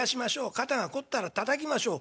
肩が凝ったらたたきましょう。